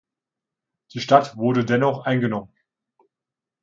Die Stadt wurde dennoch eingenommen.